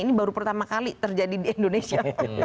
ini baru pertama kali terjadi di indonesia